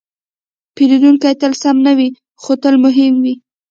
پیرودونکی تل سم نه وي، خو تل مهم وي.